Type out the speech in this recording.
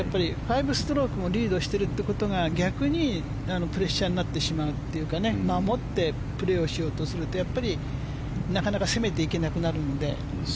５ストロークもリードしているということが逆にプレッシャーになってしまうというか守ってプレーをしようとするとやっぱりなかなか攻めていけなくなるので。